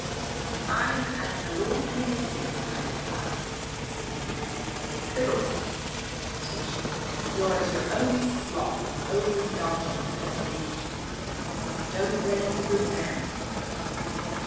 "I'm as the Lord made me," I replied with some spirit. "Fiddlesticks!" said Tish. "You're as your own sloth and overindulgence has made you. Don't blame the Good Man for it."